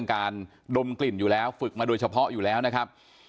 การดมกลิ่นอยู่แล้วฝึกมาโดยเฉพาะอยู่แล้วนะครับ